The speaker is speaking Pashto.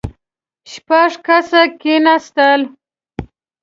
شپږ کسه کېناستل.